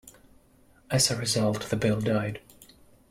As a result, the bill died.